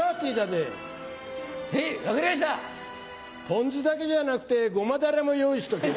ポン酢だけじゃなくてゴマだれも用意しとけ。